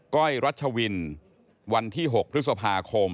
้อยรัชวินวันที่๖พฤษภาคม